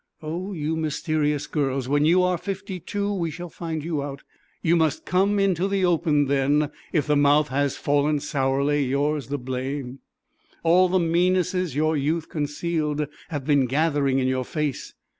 Oh, you mysterious girls, when you are fifty two we shall find you out; you must come into the open then. If the mouth has fallen sourly yours the blame: all the meannesses your youth concealed have been gathering in your face.